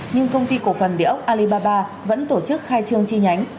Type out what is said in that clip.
nhưng công ty cổ phần địa ốc alibaba vẫn tổ chức khai trương chi nhánh